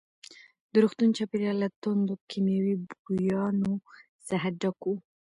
د روغتون چاپېریال له توندو کیمیاوي بویانو څخه ډک وو.